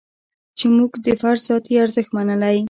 چې موږ د فرد ذاتي ارزښت منلی.